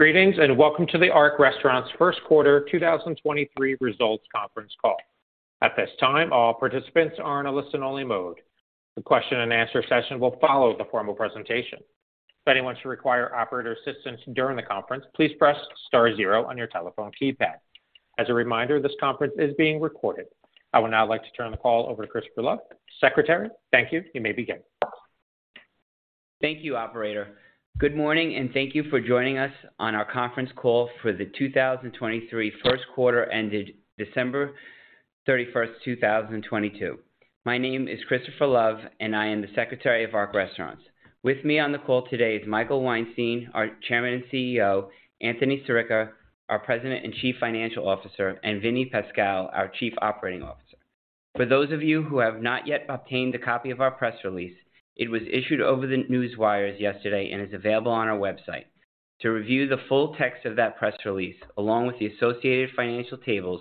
Greetings, welcome to Ark Restaurants 1st quarter 2023 results conference call. At this time, all participants are in a listen-only mode. The question and answer session will follow the formal presentation. If anyone should require operator assistance during the conference, please press star 0 on your telephone keypad. As a reminder, this conference is being recorded. I would now like to turn the call over to Christopher Love. Secretary, thank you. You may begin. Thank you, operator. Good morning, and thank you for joining us on our conference call for the 2023 1st quarter ended December 31st, 2022. My name is Christopher Love, and I am the Secretary of Ark Restaurants. With me on the call today is Michael Weinstein, our Chairman and CEO, Anthony Sarica, our President and Chief Financial Officer, and Vinnie Pascal, our Chief Operating Officer. For those of you who have not yet obtained a copy of our press release, it was issued over the newswires yesterday and is available on our website. To review the full text of that press release along with the associated financial tables,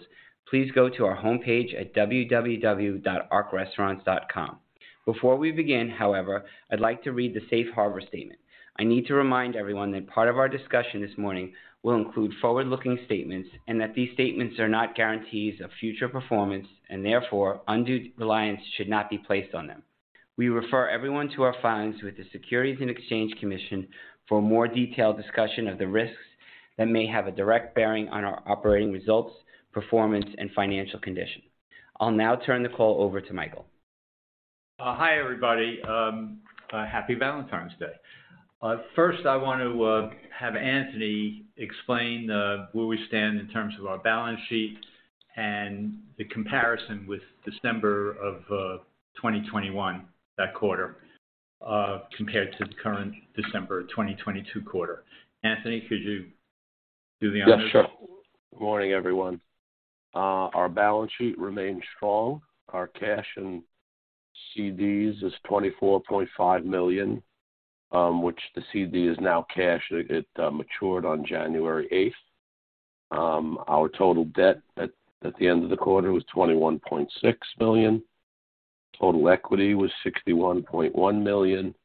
please go to our homepage at www.arkrestaurants.com. Before we begin, however, I'd like to read the Safe Harbor statement. I need to remind everyone that part of our discussion this morning will include forward-looking statements and that these statements are not guarantees of future performance, and therefore undue reliance should not be placed on them. We refer everyone to our filings with the Securities and Exchange Commission for a more detailed discussion of the risks that may have a direct bearing on our operating results, performance, and financial condition. I'll now turn the call over to Michael. Hi, everybody. Happy Valentine's Day. First I want to have Anthony explain where we stand in terms of our balance sheet and the comparison with December of 2021, that quarter, compared to the current December 2022 quarter. Anthony, could you do the honors? Yes, sure. Good morning, everyone. Our balance sheet remains strong. Our cash in CDs is $24.5 million, which the CD is now cash. It matured on January eighth. Our total debt at the end of the quarter was $21.6 billion. Total equity was $61.1 million.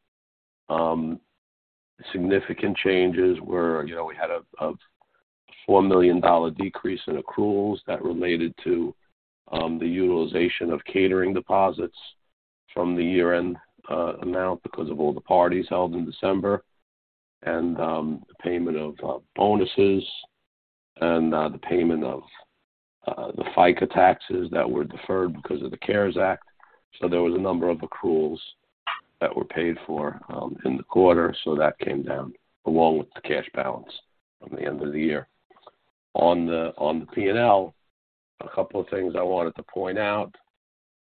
Significant changes were, you know, we had a $4 million decrease in accruals that related to the utilization of catering deposits from the year-end amount because of all the parties held in December and the payment of bonuses and the payment of the FICA taxes that were deferred because of the CARES Act. There was a number of accruals that were paid for in the quarter, so that came down, along with the cash balance from the end of the year. On the P&L, a couple of things I wanted to point out.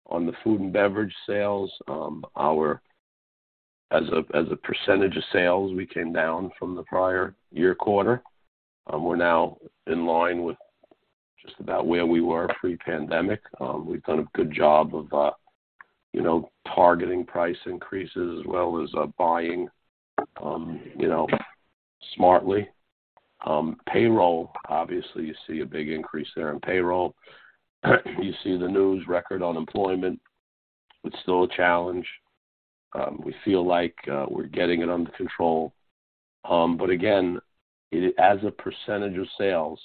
On the food and beverage sales, as a percentage of sales, we came down from the prior year quarter. We're now in line with just about where we were pre-pandemic. We've done a good job of, you know, targeting price increases as well as buying, you know, smartly. Payroll, obviously, you see a big increase there in payroll. You see the news record unemployment. It's still a challenge. We feel like we're getting it under control. Again, as a percentage of sales,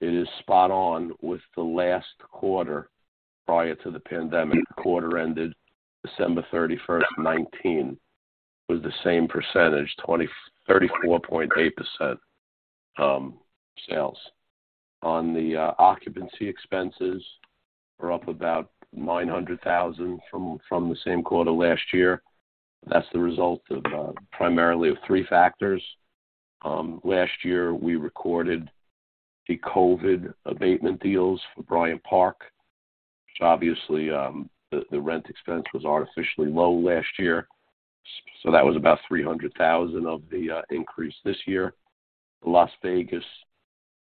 it is spot on with the last quarter prior to the pandemic. The quarter ended December 31st, 2019, was the same percentage, 34.8% sales. On the occupancy expenses, we're up about $900,000 from the same quarter last year. That's the result of primarily of three factors. Last year, we recorded the COVID abatement deals for Bryant Park, which obviously, the rent expense was artificially low last year. That was about $300,000 of the increase this year. Las Vegas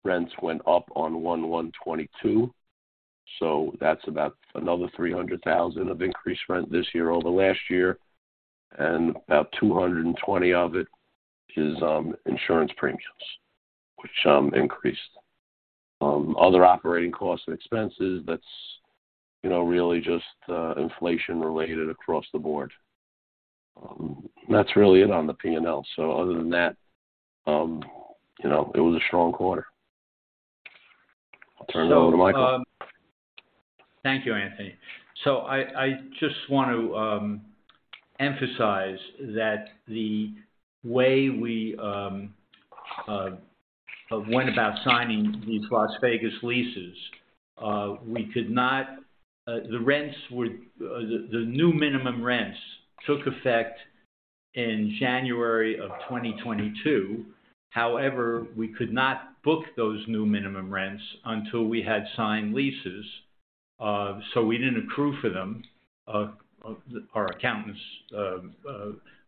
rents went up on 1/1/2022, so that's about another $300,000 of increased rent this year over last year. About $220,000 of it is insurance premiums, which increased. Other operating costs and expenses, that's, you know, really just inflation related across the board. That's really it on the P&L. Other than that, you know, it was a strong quarter. I'll turn it over to Michael. Thank you, Anthony. I just want to emphasize that the way we went about signing these Las Vegas leases, the rents would, the new minimum rents took effect in January of 2022. However, we could not book those new minimum rents until we had signed leases. We didn't accrue for them. Our accountants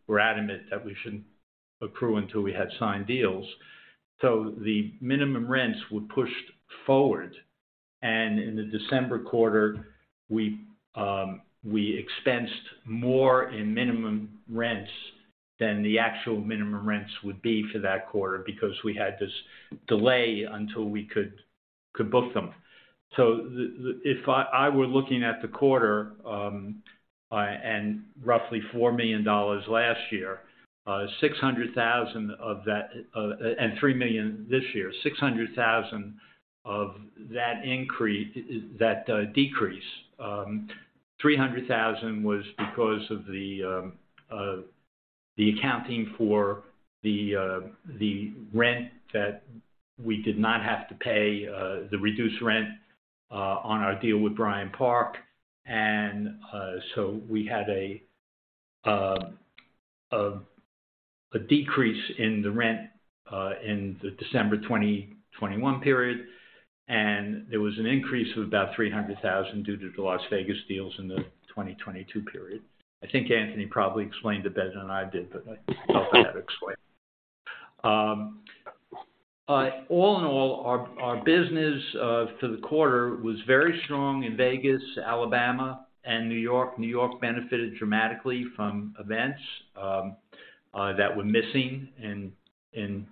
were adamant that we shouldn't accrue until we had signed deals. The minimum rents were pushed forward. In the December quarter, we expensed more in minimum rents than the actual minimum rents would be for that quarter because we had this delay until we could book them. The if I were looking at the quarter, and roughly $4 million last year, $600,000 of that and $3 million this year. $600,000 of that decrease, $300,000 was because of the accounting for the rent that we did not have to pay, the reduced rent on our deal with Bryant Park. We had a decrease in the rent in the December 2021 period, and there was an increase of about $300,000 due to the Las Vegas deals in the 2022 period. I think Anthony probably explained it better than I did, but I thought I'd explain. All in all, our business for the quarter was very strong in Vegas, Alabama, and New York. New York benefited dramatically from events that were missing in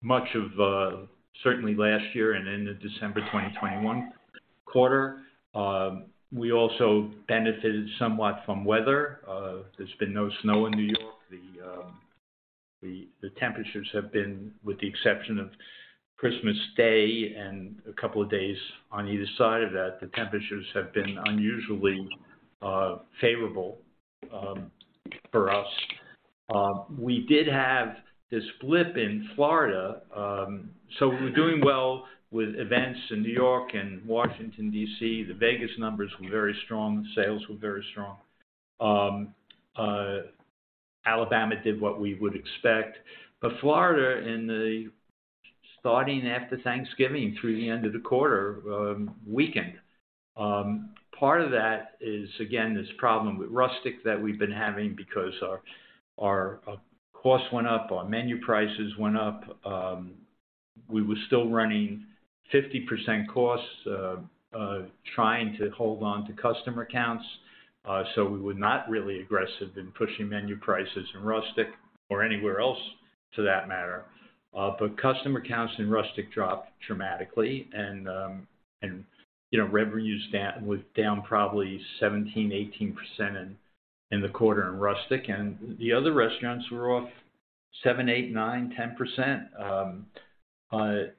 much of certainly last year and into December 2021 quarter. We also benefited somewhat from weather. There's been no snow in New York. The temperatures have been, with the exception of Christmas Day and a couple of days on either side of that, the temperatures have been unusually favorable for us. We did have this blip in Florida. We're doing well with events in New York and Washington, D.C. The Vegas numbers were very strong. The sales were very strong. Alabama did what we would expect. Florida in the starting after Thanksgiving through the end of the quarter weakened. Part of that is, again, this problem with Rustic that we've been having because our costs went up, our menu prices went up. We were still running 50% costs, trying to hold on to customer counts. We were not really aggressive in pushing menu prices in Rustic or anywhere else to that matter. Customer counts in Rustic dropped dramatically. You know, revenues down, was down probably 17%-18% in the quarter in Rustic. The other restaurants were off 7%, 8%, 9%, 10%.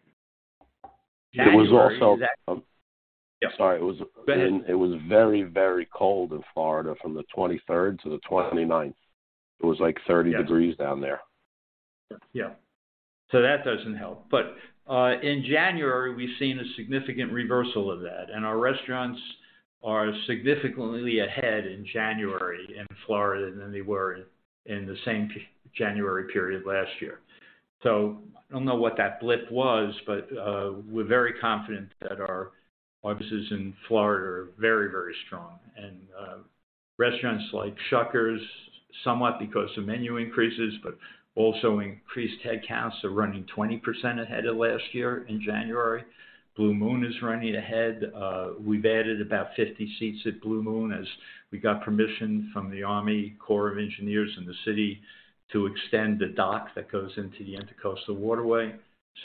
January- It was. Yeah. Sorry. Go ahead. It was very, very cold in Florida from the 23rd to the 29th. It was like 30 degrees- Yes. -down there. That doesn't help. In January, we've seen a significant reversal of that, and our restaurants are significantly ahead in January in Florida than they were in the same January period last year. I don't know what that blip was, but we're very confident that our businesses in Florida are very, very strong. Restaurants like Shuckers, somewhat because of menu increases, but also increased headcounts, are running 20% ahead of last year in January. Blue Moon is running ahead. We've added about 50 seats at Blue Moon as we got permission from the Army Corps of Engineers and the city to extend the dock that goes into the Intracoastal Waterway.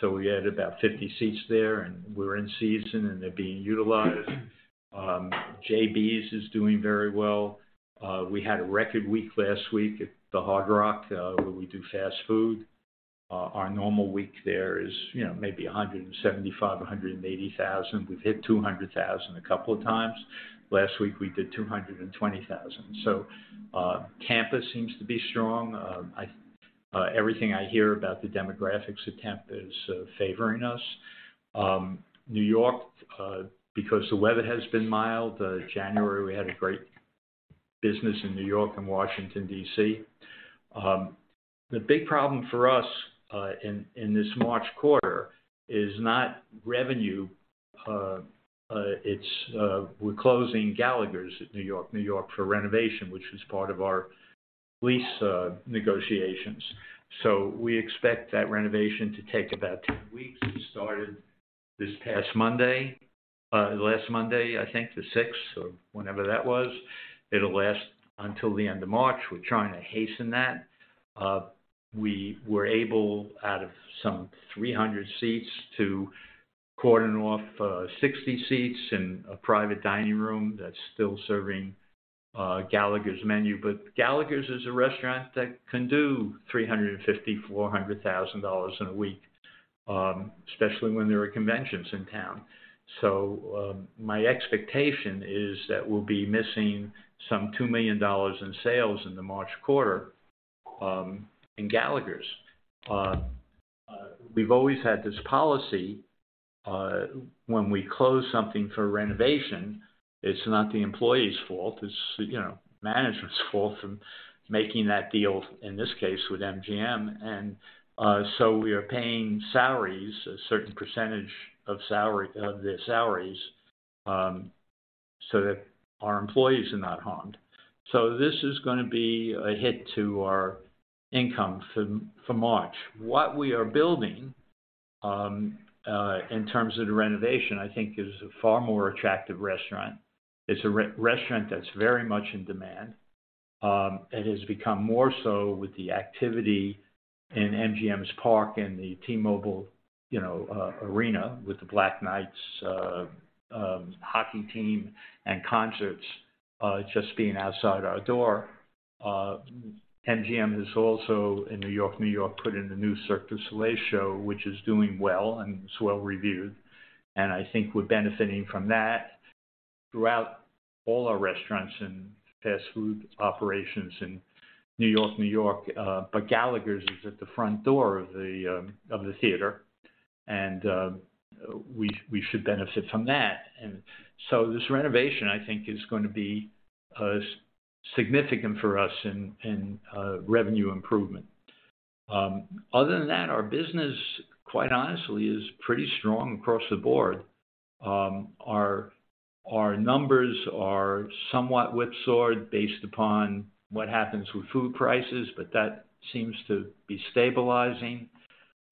We added about 50 seats there, and we're in season, and they're being utilized. JB's is doing very well. We had a record week last week at the Hard Rock, where we do fast food. Our normal week there is, you know, maybe $175,000, $180,000. We've hit $200,000 a couple of times. Last week, we did $220,000. Campus seems to be strong. Everything I hear about the demographics at Tempe is favoring us. New York, because the weather has been mild, January, we had a great business in New York and Washington, D.C. The big problem for us in this March quarter is not revenue, it's we're closing Gallagher's at New York-New York for renovation, which is part of our lease negotiations. We expect that renovation to take about 10 weeks. It started this past Monday, last Monday, I think, the sixth or whenever that was. It'll last until the end of March. We're trying to hasten that. We were able, out of some 300 seats, to cordon off 60 seats in a private dining room that's still serving Gallagher's menu. Gallagher's is a restaurant that can do $350,000-$400,000 in a week, especially when there are conventions in town. My expectation is that we'll be missing some $2 million in sales in the March quarter in Gallagher's. We've always had this policy, when we close something for renovation, it's not the employee's fault, it's, you know, management's fault for making that deal, in this case, with MGM. We are paying salaries, a certain percentage of their salaries, so that our employees are not harmed. This is gonna be a hit to our income for March. What we are building, in terms of the renovation, I think is a far more attractive restaurant. It's a re-restaurant that's very much in demand. It has become more so with the activity in MGM's Park and the T-Mobile, you know, arena with the Vegas Golden Knights hockey team and concerts just being outside our door. MGM has also in New York, New York, put in the new Cirque du Soleil show, which is doing well and it's well-reviewed. I think we're benefiting from that throughout all our restaurants and fast food operations in New York, New York. Gallagher's is at the front door of the of the theater, and we should benefit from that. This renovation, I think, is gonna be significant for us in revenue improvement. Other than that, our business, quite honestly, is pretty strong across the board. Our numbers are somewhat whipsawed based upon what happens with food prices, but that seems to be stabilizing.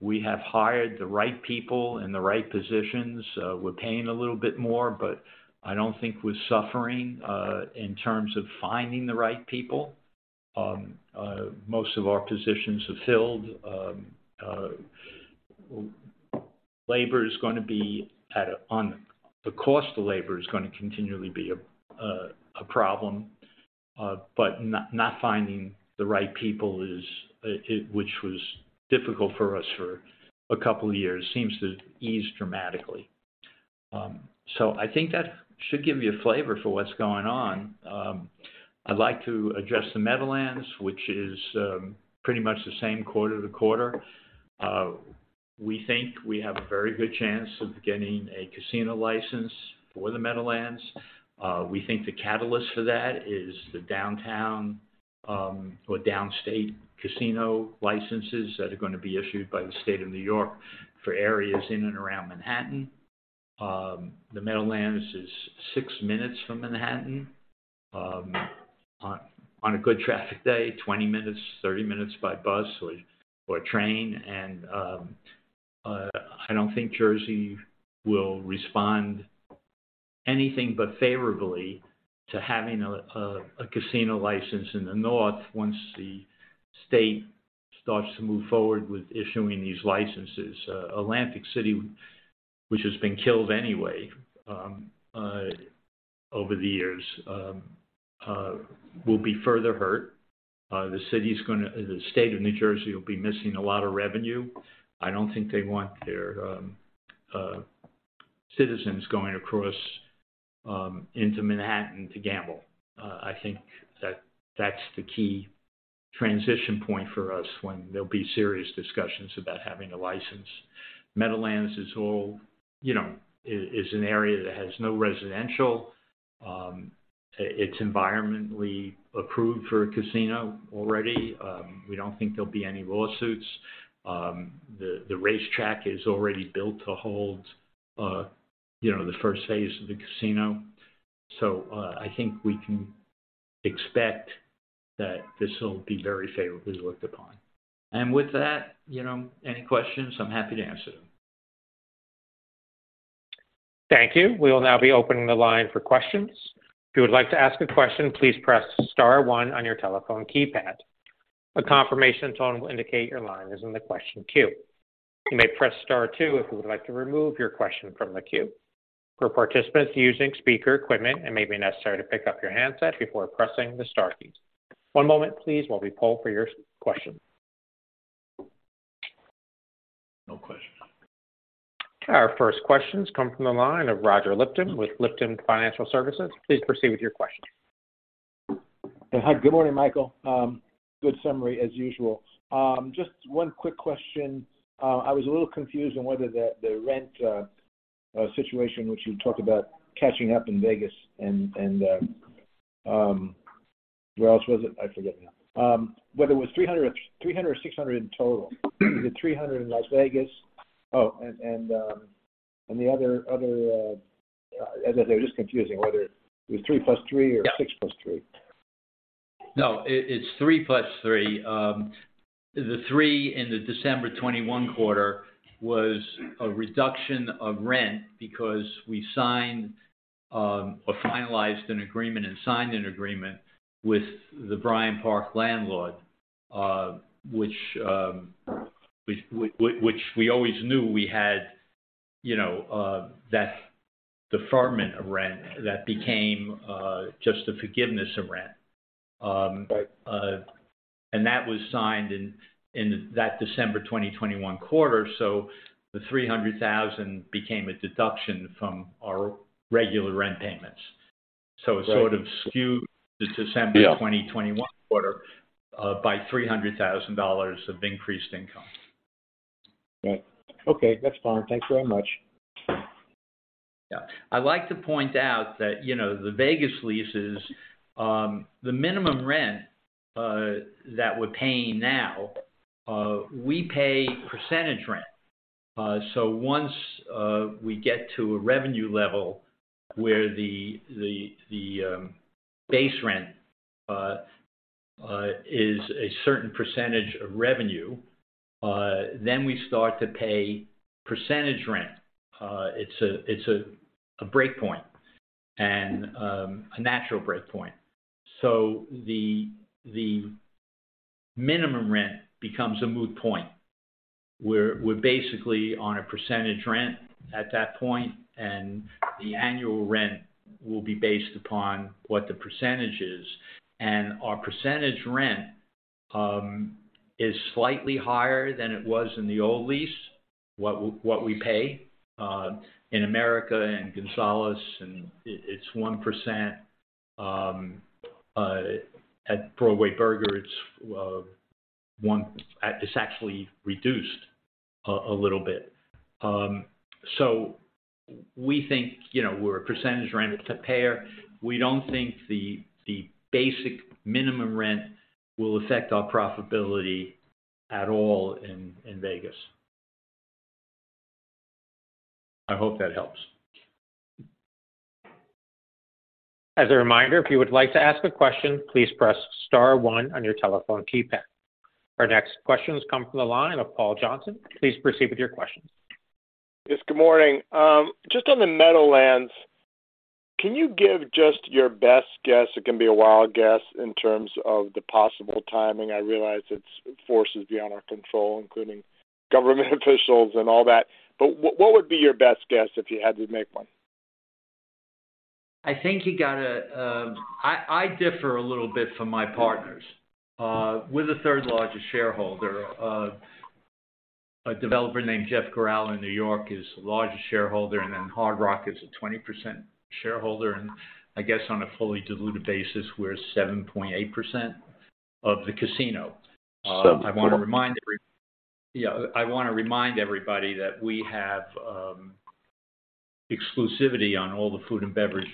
We have hired the right people in the right positions. We're paying a little bit more, but I don't think we're suffering in terms of finding the right people. Most of our positions are filled. Labor is gonna be. The cost of labor is gonna continually be a problem, but not finding the right people is which was difficult for us for a couple of years, seems to ease dramatically. I think that should give you a flavor for what's going on. I'd like to address the Meadowlands, which is pretty much the same quarter to quarter. We think we have a very good chance of getting a casino license for the Meadowlands. We think the catalyst for that is the downtown or downstate casino licenses that are gonna be issued by the State of New York for areas in and around Manhattan. The Meadowlands is six minutes from Manhattan, on a good traffic day, 20 minutes, 30 minutes by bus or train. I don't think Jersey will respond anything but favorably to having a casino license in the north once the State starts to move forward with issuing these licenses. Atlantic City, which has been killed anyway, over the years, will be further hurt. The State of New Jersey will be missing a lot of revenue. I don't think they want their citizens going across into Manhattan to gamble. I think that that's the key transition point for us when there'll be serious discussions about having a license. Meadowlands is all, you know, is an area that has no residential. It's environmentally approved for a casino already. We don't think there'll be any lawsuits. The racetrack is already built to hold, you know, the first phase of the casino. I think we can expect that this will be very favorably looked upon. With that, you know, any questions, I'm happy to answer them. Thank you. We will now be opening the line for questions. If you would like to ask a question, please press star one on your telephone keypad. A confirmation tone will indicate your line is in the question queue. You may press star two if you would like to remove your question from the queue. For participants using speaker equipment, it may be necessary to pick up your handset before pressing the star keys. One moment please while we poll for your question. No questions. Our first question comes from the line of Roger Lipton with Lipton Financial Services. Please proceed with your question. Hi. Good morning, Michael. Good summary as usual. Just one quick question. I was a little confused on whether the rent situation which you talked about catching up in Vegas and where else was it? I forget now. Whether it was $300 or $600 in total. The $300 in Las Vegas. The other... They're just confusing whether it was 3 plus 3 or... Yeah. 6 plus 3. No, it's 3 plus 3. The 3 in the December 2021 quarter was a reduction of rent because we signed or finalized an agreement and signed an agreement with the Bryant Park landlord, which we always knew we had, you know, that deferment of rent that became just a forgiveness of rent. Right. That was signed in that December 2021 quarter. The $300,000 became a deduction from our regular rent payments. Right. it sort of skewed the December 2021 quarter, by $300,000 of increased income. Right. Okay, that's fine. Thank you very much. I'd like to point out that, you know, the Vegas leases, the minimum rent that we're paying now, we pay percentage rent. Once we get to a revenue level where the base rent is a certain percentage of revenue, we start to pay percentage rent. It's a break point and a natural break point. The minimum rent becomes a moot point, where we're basically on a percentage rent at that point, and the annual rent will be based upon what the percentage is. Our percentage rent is slightly higher than it was in the old lease. What we pay in America and Gonzalez, and it's 1%, at Broadway Burger, it's 1%. It's actually reduced a little bit. We think, you know, we're a percentage rent payer. We don't think the basic minimum rent will affect our profitability at all in Vegas. I hope that helps. As a reminder, if you would like to ask a question, please press star one on your telephone keypad. Our next question comes from the line of Paul Johnson. Please proceed with your question. Yes, good morning. just on the Meadowlands, can you give just your best guess, it can be a wild guess, in terms of the possible timing? I realize it's forces beyond our control, including government officials and all that. What, what would be your best guess if you had to make one? I think you gotta differ a little bit from my partners. We're the third largest shareholder. A developer named Jeff Gural in New York is the largest shareholder. Hard Rock is a 20% shareholder. I guess on a fully diluted basis, we're 7.8% of the casino. I wanna remind. Seven point Yeah. I wanna remind everybody that we have exclusivity on all the food and beverage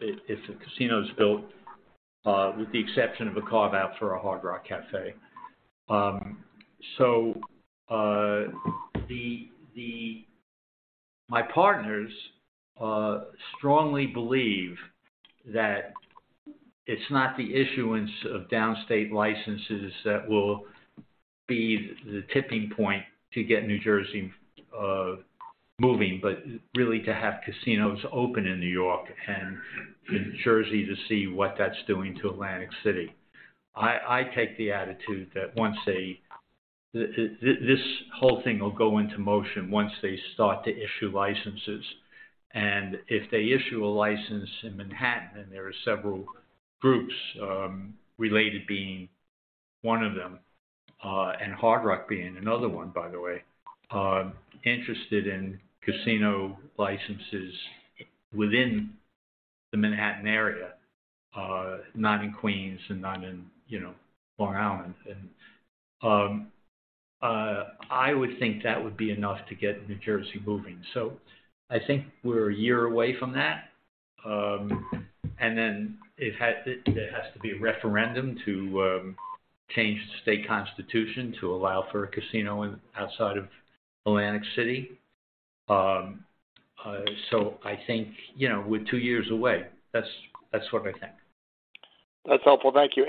if the casino's built with the exception of a carve-out for a Hard Rock Cafe. My partners strongly believe that it's not the issuance of downstate licenses that will be the tipping point to get New Jersey moving, but really to have casinos open in New York and in Jersey to see what that's doing to Atlantic City. I take the attitude that once they this whole thing will go into motion once they start to issue licenses. If they issue a license in Manhattan, and there are several groups, Related being one of them, and Hard Rock being another one, by the way, interested in casino licenses within the Manhattan area, not in Queens and not in, you know, Long Island. I would think that would be enough to get New Jersey moving. I think we're a year away from that. Then it has to be a referendum to change the state constitution to allow for a casino in outside of Atlantic City. I think, you know, we're two years away. That's, that's what I think. That's helpful. Thank you.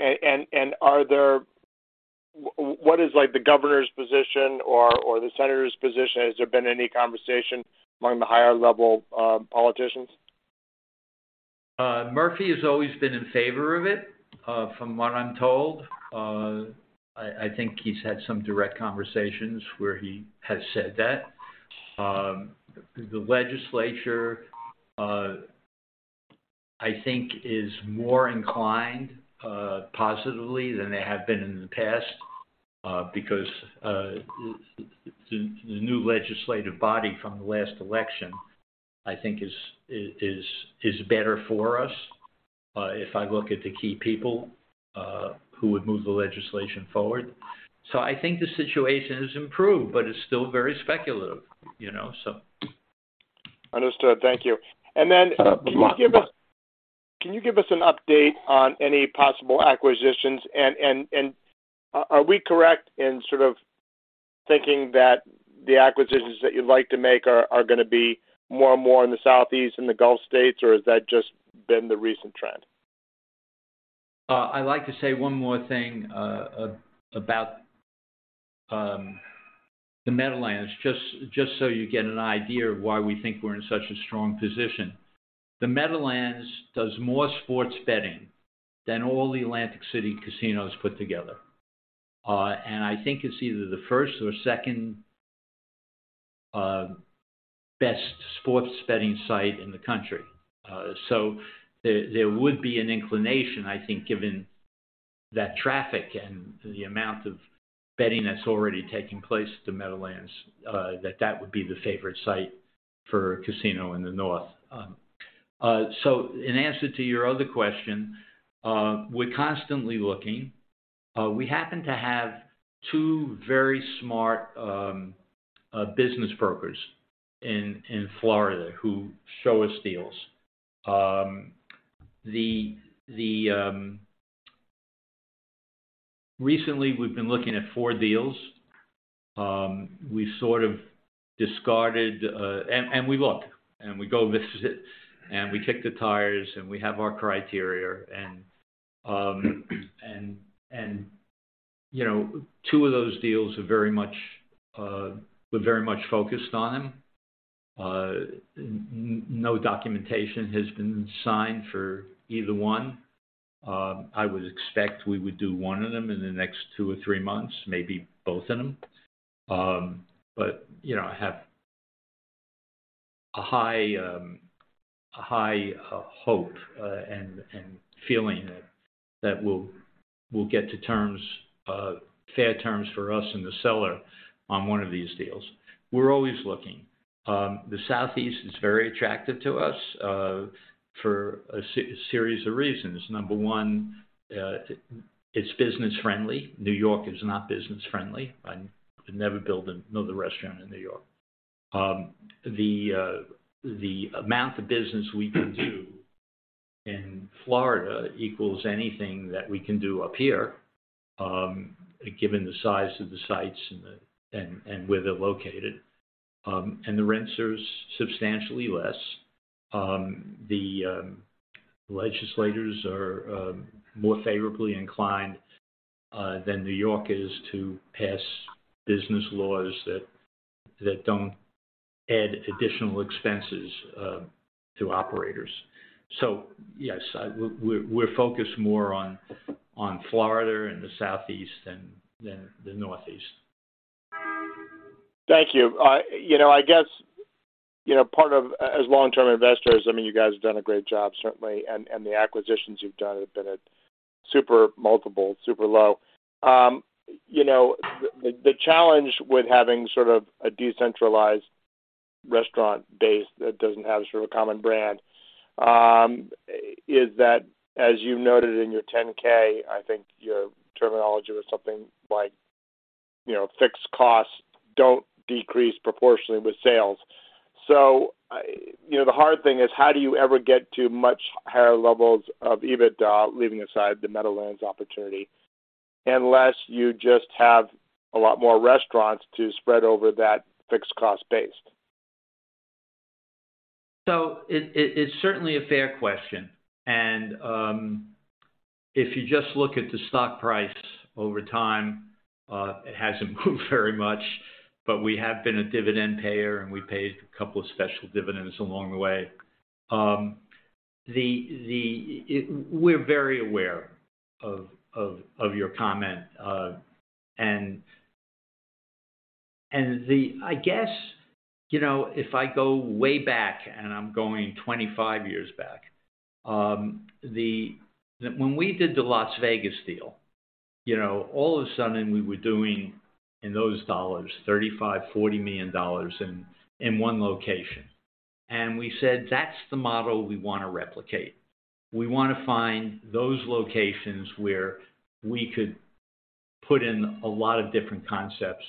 What is, like, the governor's position or the senator's position? Has there been any conversation among the higher level politicians? Murphy has always been in favor of it, from what I'm told. I think he's had some direct conversations where he has said that. The legislature, I think is more inclined, positively than they have been in the past, because the new legislative body from the last election, I think is better for us, if I look at the key people, who would move the legislation forward. I think the situation has improved, but it's still very speculative, you know, so. Understood. Thank you. Mm-hmm. Can you give us an update on any possible acquisitions? Are we correct in sort of thinking that the acquisitions that you'd like to make are gonna be more and more in the southeast and the Gulf states, or has that just been the recent trend? I'd like to say one more thing about the Meadowlands, just so you get an idea of why we think we're in such a strong position. The Meadowlands does more sports betting than all the Atlantic City casinos put together. I think it's either the first or second best sports betting site in the country. There would be an inclination, I think, given that traffic and the amount of betting that's already taking place at the Meadowlands, that would be the favorite site for a casino in the north. In answer to your other question, we're constantly looking. We happen to have two very smart business brokers in Florida who show us deals. Recently, we've been looking at 4 deals. We look, and we go visit, and we kick the tires, and we have our criteria. You know, 2 of those deals we're very much focused on them. No documentation has been signed for either one. I would expect we would do 1 of them in the next 2 or 3 months, maybe both of them. You know, I have a high hope and feeling that we'll get to terms, fair terms for us and the seller on 1 of these deals. We're always looking. The Southeast is very attractive to us for a series of reasons. Number 1, it's business friendly. New York is not business friendly. I'd never build another restaurant in New York. The amount of business we can do in Florida equals anything that we can do up here, given the size of the sites and where they're located. The rent sure is substantially less. The legislators are more favorably inclined than New York is to pass business laws that don't add additional expenses to operators. Yes, we're focused more on Florida and the Southeast than the Northeast. Thank you. you know, I guess, you know, part of as long-term investors, I mean, you guys have done a great job, certainly. The acquisitions you've done have been at super multiple, super low. you know, the challenge with having sort of a decentralized restaurant base that doesn't have sort of a common brand, is that, as you noted in your 10-K, I think your terminology was something like, you know, fixed costs don't decrease proportionally with sales. you know, the hard thing is how do you ever get to much higher levels of EBITDA, leaving aside the Meadowlands opportunity, unless you just have a lot more restaurants to spread over that fixed cost base? It's certainly a fair question. If you just look at the stock price over time, it hasn't moved very much. We have been a dividend payer, and we paid a couple of special dividends along the way. The We're very aware of your comment. I guess, you know, if I go way back, and I'm going 25 years back, When we did the Las Vegas deal, you know, all of a sudden we were doing, in those dollars, $35 million-$40 million in one location. We said, "That's the model we wanna replicate." We wanna find those locations where we could put in a lot of different concepts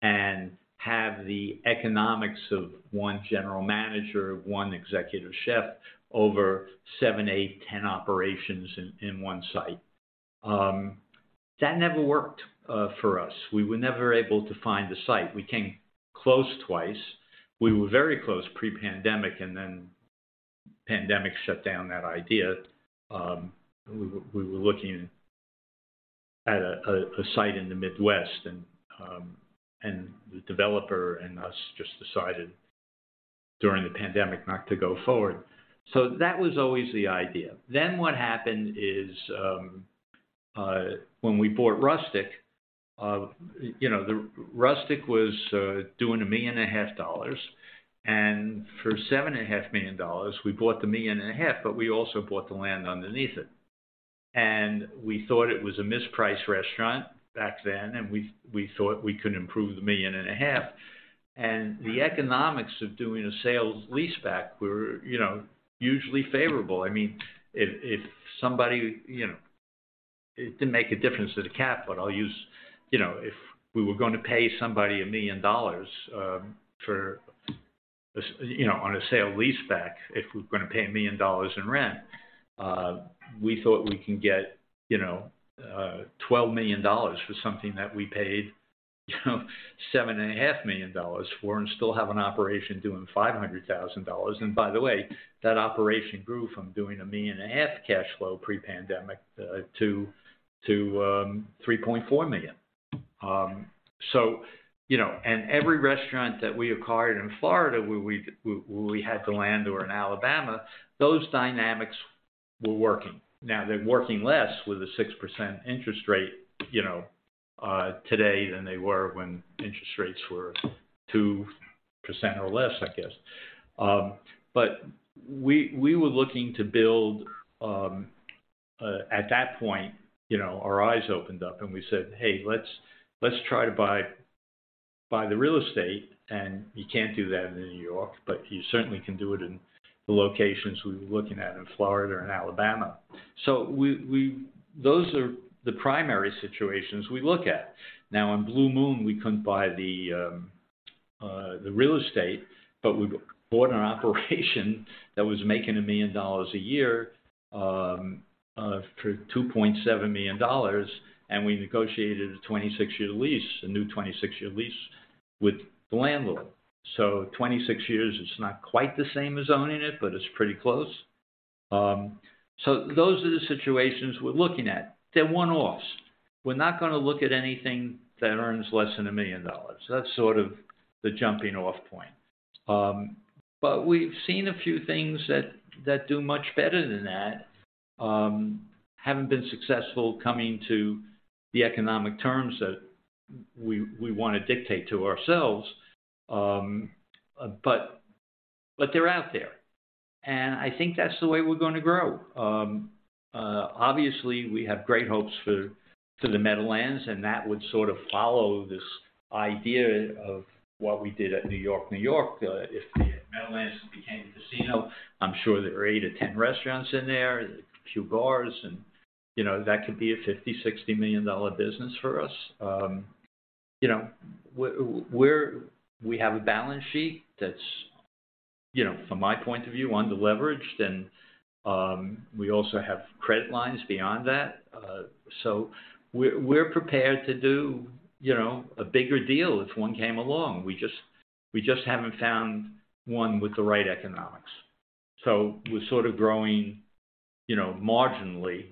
and have the economics of one general manager, one executive chef over 7, 8, 10 operations in one site. That never worked for us. We were never able to find the site. We came close twice. We were very close pre-pandemic. Pandemic shut down that idea. We were looking at a site in the Midwest and the developer and us just decided during the pandemic not to go forward. That was always the idea. What happened is, when we bought Rustic, you know, Rustic was doing a million and a half dollars. For seven and a half million dollars, we bought the million and a half, but we also bought the land underneath it. We thought it was a mispriced restaurant back then, and we thought we could improve the million and a half. The economics of doing a sale-leaseback were, you know, usually favorable. I mean, if somebody, you know, it didn't make a difference to the cap, but I'll use, you know, if we were gonna pay somebody $1 million, for, you know, on a sale-leaseback, if we're gonna pay $1 million in rent, we thought we can get, you know, $12 million for something that we paid, you know, seven and a half million dollars for and still have an operation doing $500,000. By the way, that operation grew from doing a million and a half cash flow pre-pandemic, to $3.4 million. You know, and every restaurant that we acquired in Florida where we had the land, or in Alabama, those dynamics were working. Now they're working less with a 6% interest rate, you know, today than they were when interest rates were 2% or less, I guess. We were looking to build. At that point, you know, our eyes opened up and we said, "Hey, let's try to buy the real estate." You can't do that in New York, but you certainly can do it in the locations we were looking at in Florida and Alabama. Those are the primary situations we look at. Now in Blue Moon, we couldn't buy the real estate, but we bought an operation that was making $1 million a year for $2.7 million, and we negotiated a 26-year lease, a new 26-year lease with the landlord. 26 years is not quite the same as owning it, but it's pretty close. Those are the situations we're looking at. They're one-offs. We're not gonna look at anything that earns less than $1 million. That's sort of the jumping-off point. We've seen a few things that do much better than that. Haven't been successful coming to the economic terms that we wanna dictate to ourselves. They're out there. I think that's the way we're gonna grow. Obviously, we have great hopes for the Meadowlands, and that would sort of follow this idea of what we did at New York-New York. If the Meadowlands became a casino, I'm sure there are 8-10 restaurants in there, a few bars and, you know, that could be a $50 million-$60 million business for us. You know, we have a balance sheet that's, you know, from my point of view, under-leveraged, and we also have credit lines beyond that. We're prepared to do, you know, a bigger deal if one came along. We just haven't found one with the right economics. We're sort of growing, you know, marginally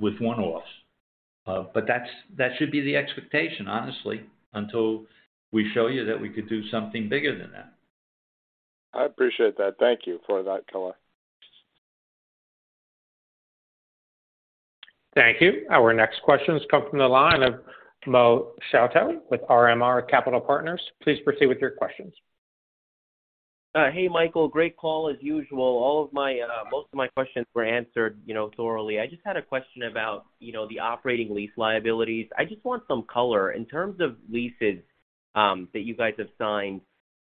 with one-offs. That should be the expectation, honestly, until we show you that we could do something bigger than that. I appreciate that. Thank you for that color. Thank you. Our next question comes from the line of Mo Chaouat with RMR Capital Partners. Please proceed with your questions. Hey, Michael. Great call as usual. All of my, most of my questions were answered, you know, thoroughly. I just had a question about, you know, the operating lease liabilities. I just want some color. In terms of leases that you guys have signed,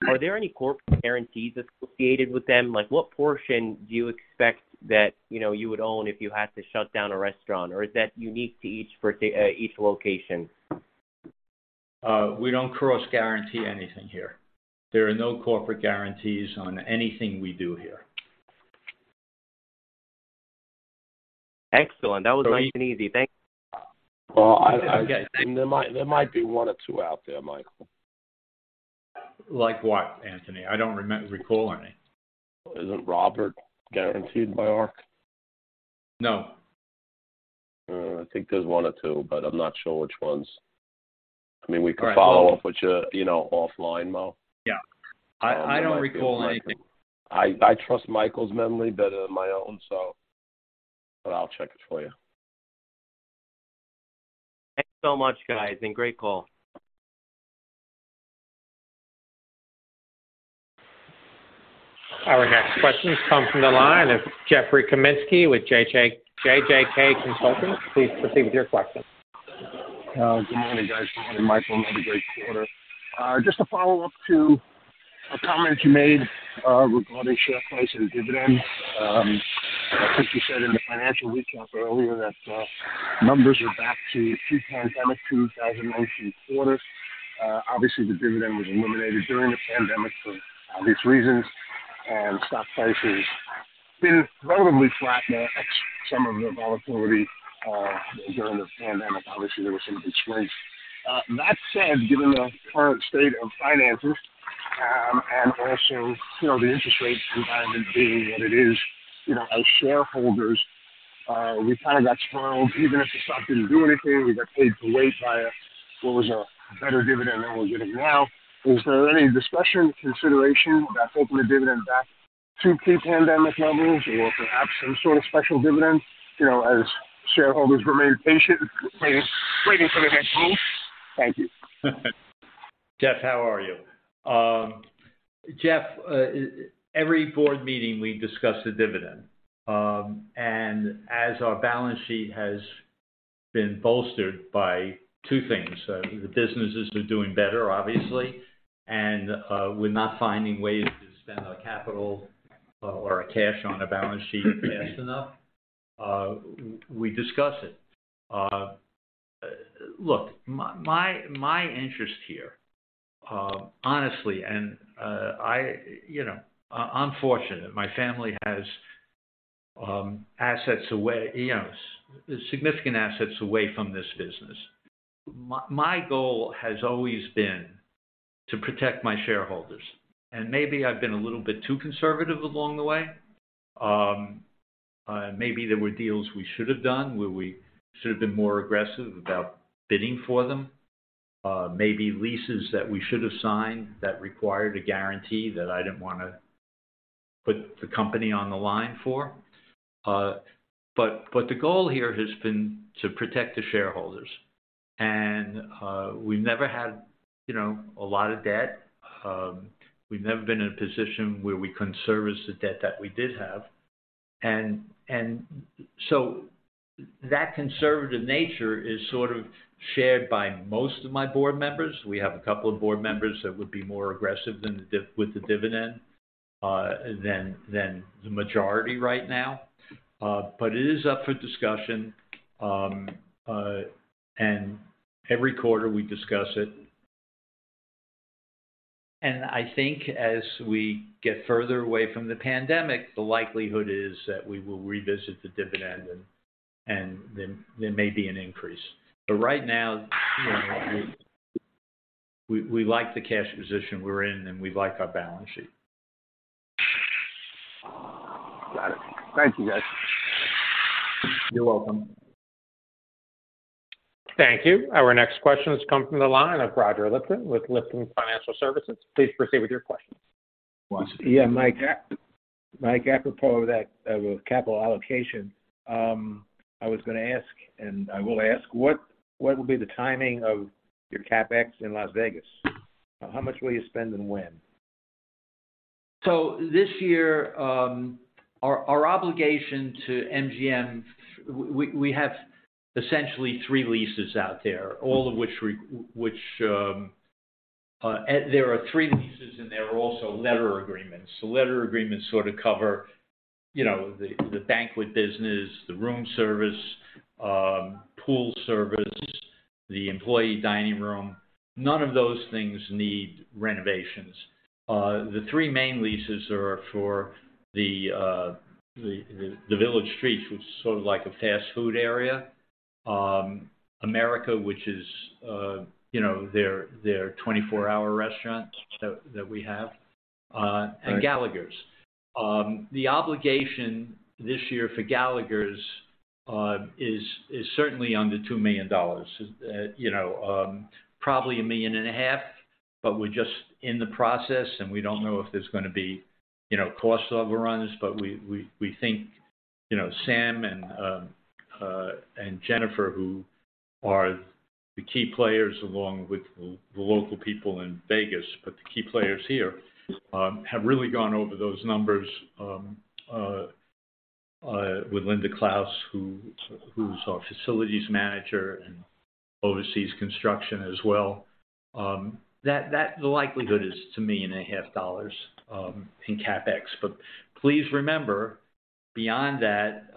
are there any corporate guarantees associated with them? Like, what portion do you expect that, you know, you would own if you had to shut down a restaurant? Or is that unique to each location? We don't cross-guarantee anything here. There are no corporate guarantees on anything we do here. Excellent. That was nice and easy. Thank you. Well, I think there might be one or two out there, Michael. Like what, Anthony? I don't recall any. Isn't Robert guaranteed by Ark? No. I think there's 1 or 2, but I'm not sure which ones. I mean, we can follow up with you know, offline, Mo. Yeah. I don't recall anything. I trust Michael's memory better than my own, so... I'll check it for you. Thanks so much, guys, and great call. Our next question comes from the line of Jeffrey Kaminsky with JJK Consultants. Please proceed with your question. Good morning, guys. Good morning, Michael. Another great quarter. Just a follow-up to a comment you made, regarding share price and dividends. I think you said in the financial recap earlier that, numbers are back to pre-pandemic 2019 quarters. Obviously the dividend was eliminated during the pandemic for obvious reasons, and stock prices been relatively flat but had some of the volatility, during the pandemic. Obviously, there were some constraints. That said, given the current state of finances, and also, you know, the interest rate environment being what it is, you know, as shareholders, we kinda got spoiled. Even if the stock didn't do anything, we got paid to wait via what was a better dividend than we're getting now. Is there any discussion or consideration about taking the dividend back to pre-pandemic levels or perhaps some sort of special dividend, you know, as shareholders remain patient waiting for the next move? Thank you. Jeff, how are you? Jeff, every board meeting, we discuss the dividend. As our balance sheet has been bolstered by two things, the business has been doing better, obviously, and we're not finding ways to spend our capital or our cash on the balance sheet fast enough, we discuss it. Look, my interest here, honestly, I, you know, I'm fortunate. My family has assets away, you know, significant assets away from this business. My goal has always been to protect my shareholders. Maybe I've been a little bit too conservative along the way. Maybe there were deals we should have done, where we should have been more aggressive about bidding for them. Maybe leases that we should have signed that required a guarantee that I didn't wanna put the company on the line for. The goal here has been to protect the shareholders. We've never had, you know, a lot of debt. We've never been in a position where we couldn't service the debt that we did have. That conservative nature is sort of shared by most of my board members. We have a couple of board members that would be more aggressive than with the dividend, than the majority right now. It is up for discussion. Every quarter we discuss it. I think as we get further away from the pandemic, the likelihood is that we will revisit the dividend and then there may be an increase. Right now, you know, we like the cash position we're in, and we like our balance sheet. Got it. Thank you, guys. You're welcome. Thank you. Our next question has come from the line of Roger Lipton with Lipton Financial Services. Please proceed with your question. Yeah. Mike, apropos of that, with capital allocation, I was gonna ask, I will ask, what will be the timing of your CapEx in Las Vegas? How much will you spend, and when? This year, our obligation to MGM, we have essentially 3 leases out there, all of which there are 3 leases, and there are also letter agreements. The letter agreements sort of cover, you know, the banquet business, the room service, pool service, the employee dining room. None of those things need renovations. The 3 main leases are for the Village Streets, which is sort of like a fast food area, America, which is, you know, their 24-hour restaurant that we have. Right. Gallagher's. The obligation this year for Gallagher's, is certainly under $2 million. You know, probably a million and a half dollars, but we're just in the process, and we don't know if there's gonna be, you know, cost overruns. We think, you know, Sam and Jennifer, who are the key players, along with the local people in Vegas, but the key players here, have really gone over those numbers, with Linda Klaus, who's our facilities manager and oversees construction as well. The likelihood is to me, a million and a half dollars in CapEx. Please remember, beyond that,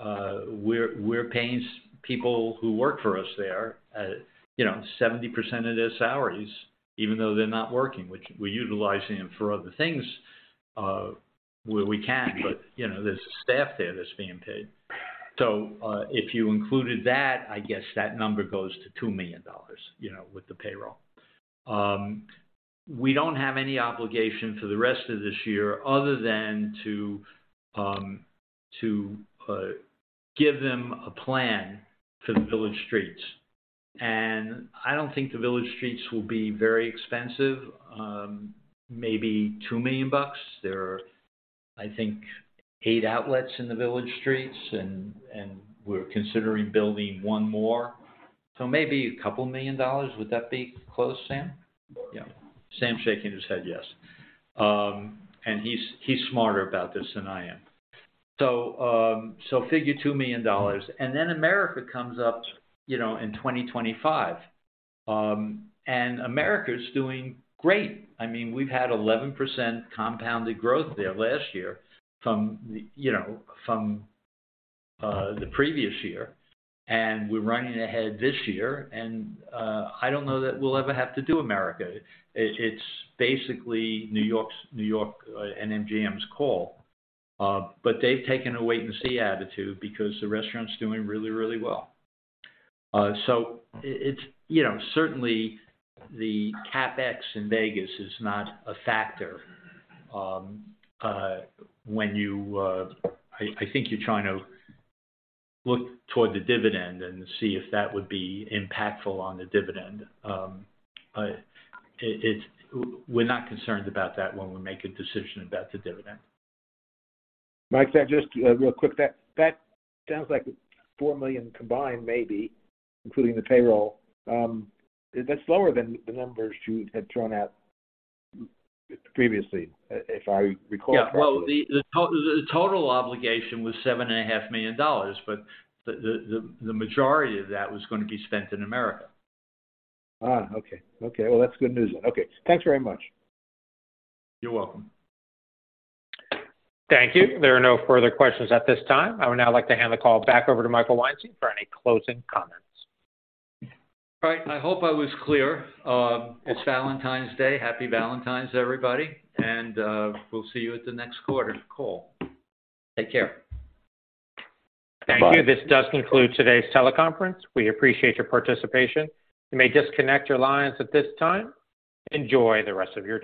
we're paying people who work for us there at, you know, 70% of their salaries even though they're not working. We're utilizing them for other things, where we can. You know, there's a staff there that's being paid. If you included that, I guess that number goes to $2 million, you know, with the payroll. We don't have any obligation for the rest of this year other than to give them a plan for the Village Streets. I don't think the Village Streets will be very expensive. Maybe $2 million. There are, I think, 8 outlets in the Village Streets, and we're considering building one more. Maybe a couple million dollars. Would that be close, Sam? Yeah. Sam's shaking his head yes. He's smarter about this than I am. Figure $2 million. Then America comes up, you know, in 2025. America's doing great. I mean, we've had 11% compounded growth there last year from the, you know, from the previous year. We're running ahead this year. I don't know that we'll ever have to do America. It's basically New York-New York and MGM's call. They've taken a wait and see attitude because the restaurant's doing really, really well. You know, certainly the CapEx in Vegas is not a factor when you... I think you're trying to look toward the dividend and see if that would be impactful on the dividend. We're not concerned about that when we make a decision about the dividend. Mike, can I just real quick. That sounds like $4 million combined maybe, including the payroll. That's lower than the numbers you had thrown out previously, if I recall correctly. Yeah. Well, the total obligation was seven and a half million dollars. The majority of that was gonna be spent in America. Okay. Well, that's good news then. Okay. Thanks very much. You're welcome. Thank you. There are no further questions at this time. I would now like to hand the call back over to Michael Weinstein for any closing comments. All right. I hope I was clear. It's Valentine's Day. Happy Valentine's, everybody. We'll see you at the next quarter call. Take care. Bye. Thank you. This does conclude today's teleconference. We appreciate your participation. You may disconnect your lines at this time. Enjoy the rest of your day.